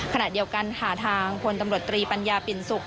ขณะเดียวกันค่ะทางพลตำรวจตรีปัญญาปิ่นสุข